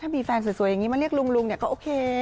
ถ้ามีแฟนสวยอย่างนี้มาเรียกลุงก็โอเค